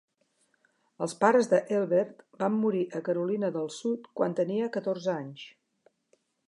Els pares de Elbert van morir a Carolina del Sud quan tenia catorze anys.